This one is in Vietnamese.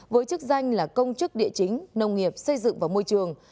với chức danh là công chức địa chính nông nghiệp xây dựng và môi trường